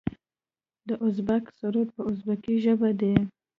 د ازبک سرود په ازبکي ژبه دی.